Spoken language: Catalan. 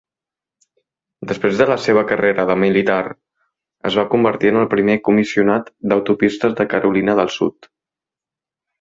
Després de la seva carrera militar, es va convertir en el primer Comissionat d'Autopistes de Carolina del Sud.